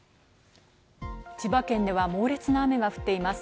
千葉県では猛烈な雨が降っています。